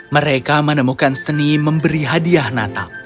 mereka menemukan seni memberi hadiah natal